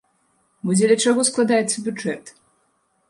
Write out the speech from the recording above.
Бо дзеля чаго складаецца бюджэт?